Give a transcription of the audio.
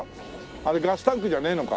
あれガスタンクじゃねえのか。